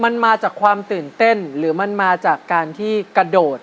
มันมาจากความตื่นเต้นหรือมันมาจากการที่กระโดด